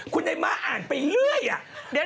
คุณได้มาอ่านไปเรื่อยเดี๋ยว